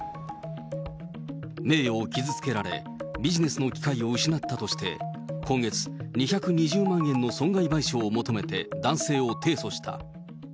名誉を傷つけられ、ビジネスの機会を失ったとして、今月、２２０万円の損害賠償を求めて、男性を提訴した。